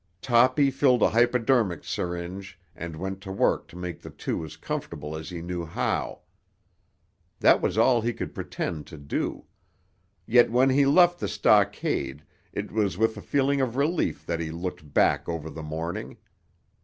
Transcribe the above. Toppy filled a hypodermic syringe and went to work to make the two as comfortable as he knew how. That was all he could pretend to do. Yet when he left the stockade it was with a feeling of relief that he looked back over the morning.